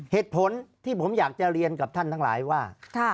เหตุผลที่ผมอยากจะเรียนกับท่านทั้งหลายว่า